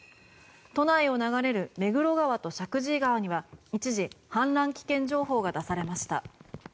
都内を流れる目黒川と石神井川には一時、氾濫危険情報が出されました。